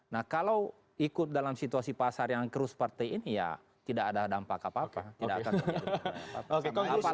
nah kalau ikut dalam situasi pasar yang terus seperti ini ya tidak ada dampak apa apa